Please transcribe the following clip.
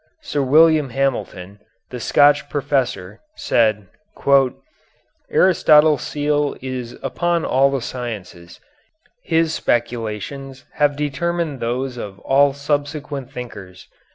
Sir William Hamilton, the Scotch philosopher, said: "Aristotle's seal is upon all the sciences, his speculations have determined those of all subsequent thinkers."